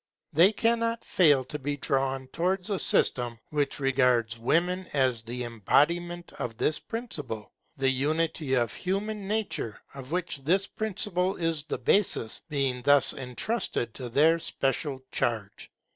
They cannot fail to be drawn towards a system which regards women as the embodiment of this principle; the unity of human nature, of which this principle is the basis, being thus entrusted to their special charge.